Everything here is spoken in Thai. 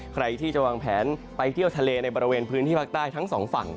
ใครที่จะวางแผนไปเที่ยวทะเลในบริเวณพื้นที่ภาคใต้ทั้งสองฝั่ง